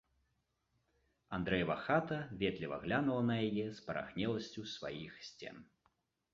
Андрэева хата ветліва глянула на яе спарахнеласцю сваіх сцен.